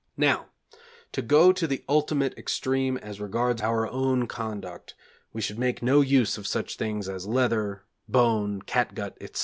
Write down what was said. Now to go to the ultimate extreme as regards our own conduct we should make no use of such things as leather, bone, catgut, etc.